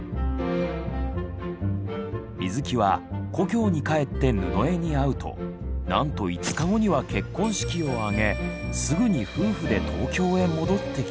水木は故郷に帰って布枝に会うとなんと５日後には結婚式を挙げすぐに夫婦で東京へ戻ってきた。